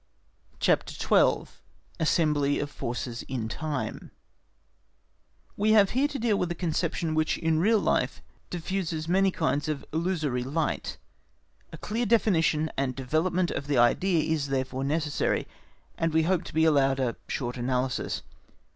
CHAPTER XII. Assembly of Forces in Time We have here to deal with a conception which in real life diffuses many kinds of illusory light. A clear definition and development of the idea is therefore necessary, and we hope to be allowed a short analysis.